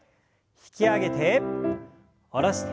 引き上げて下ろして。